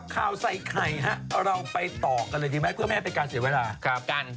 ขนกัน